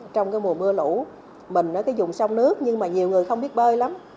trong cái mùa mưa lũ mình ở cái dùng sông nước nhưng mà nhiều người không biết bơi lắm